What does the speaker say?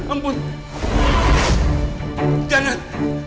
amrung kak jangan